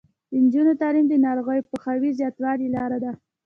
د نجونو تعلیم د ناروغیو پوهاوي زیاتولو لاره ده.